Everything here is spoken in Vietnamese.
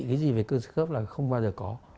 cái gì về cơ sương khớp là không bao giờ có